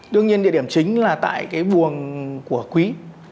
tương nhiên địa điểm chính là tại buồng của quý